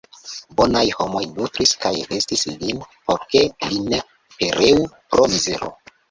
Bonaj homoj nutris kaj vestis lin, por ke li ne pereu pro mizero.